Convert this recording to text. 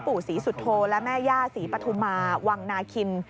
ปู่ศรีสุโธและแม่ย่าศรีปฐุมาวังนาคิน